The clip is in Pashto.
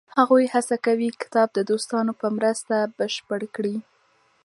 هغوی هڅه کوي کتاب د دوستانو په مرسته بشپړ کړي.